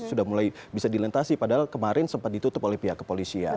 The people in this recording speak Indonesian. sudah mulai bisa dilintasi padahal kemarin sempat ditutup oleh pihak kepolisian